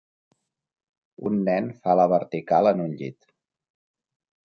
Un nen fa la vertical en un llit.